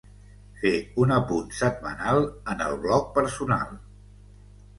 Fer un apunt setmanal en el blog personal.